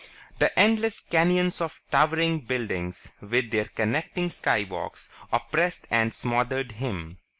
The endless canyons of towering buildings, with their connecting Skywalks, oppressed and smothered him.